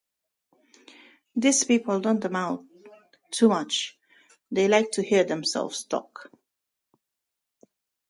These people don't amount to much-they like to hear themselves talk.